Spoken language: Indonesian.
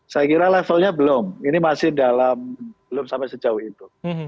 saya kira levelnya belum ini masih dalam belum sampai sejauh itu